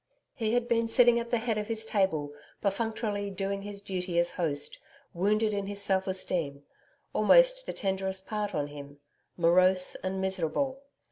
He had been sitting at the head of his table, perfunctorily doing his duty as host, wounded in his self esteem almost the tenderest part on him, morose and miserable.